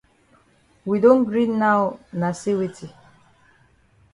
We don gree now na say weti?